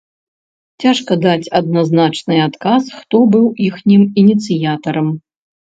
Цяжка даць адназначны адказ, хто быў іхнім ініцыятарам.